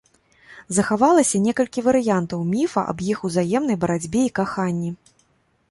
Захавалася некалькі варыянтаў міфа аб іх узаемнай барацьбе і каханні.